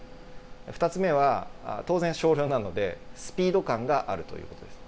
２つ目は、当然、少量なのでスピード感があるということです。